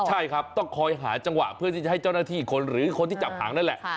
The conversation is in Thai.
ใช่ครับต้องคอยหาจังหวะเพื่อที่จะให้เจ้าหน้าที่คนหรือคนที่จับหางนั่นแหละ